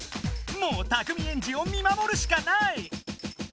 もうたくみエンジを見まもるしかない！